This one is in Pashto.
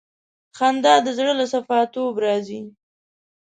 خندا د زړه له صفا توب راځي.